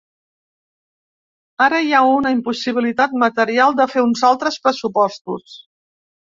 Ara hi ha una impossibilitat material de fer uns altres pressupostos.